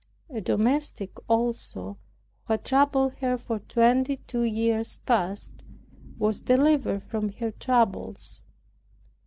A domestic also, who had troubled her for twenty two years past, was delivered from her troubles.